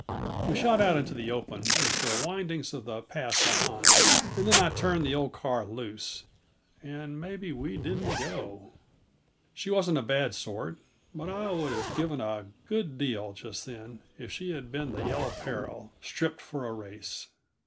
We shot out into the open, with the windings of the pass behind, and then I turned the old car loose, and maybe we didn't go! She wasn't a bad sort but I would have given a good deal, just then, if she had been the Yellow Peril stripped for a race.